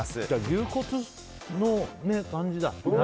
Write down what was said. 牛骨の感じだ。